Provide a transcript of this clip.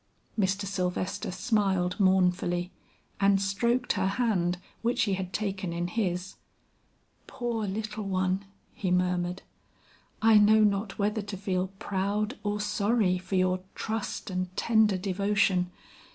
Mr. Sylvester smiled mournfully, and stroked her hand which he had taken in his. "Poor little one," he murmured. "I know not whether to feel proud or sorry for your trust and tender devotion.